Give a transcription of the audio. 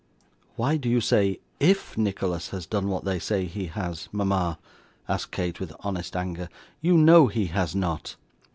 'Why do you say "IF Nicholas has done what they say he has," mama?' asked Kate, with honest anger. 'You know he has not.